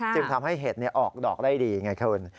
จึงทำให้เห็ดออกดอกได้ดีไงคุณ